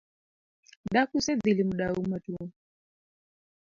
Dak usedhi limo dau matwo?